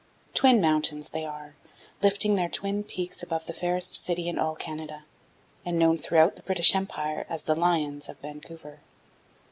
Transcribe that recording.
Twin mountains they are, lifting their twin peaks above the fairest city in all Canada, and known throughout the British Empire as "The Lions of Vancouver."